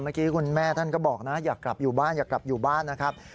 คุณแม่ท่านก็บอกนะอยากกลับอยู่บ้านอยากกลับอยู่บ้านนะครับ